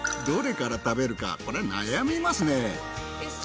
どれから食べるかこれ悩みますねぇ。